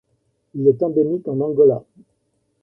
Il est endémique en Angola.